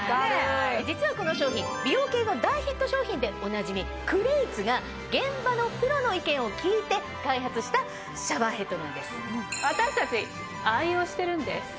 実はこの商品美容系の大ヒット商品でおなじみクレイツが現場のプロの意見を聞いて開発したシャワーヘッドなんです。